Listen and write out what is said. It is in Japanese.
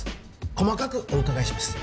細かくお伺いします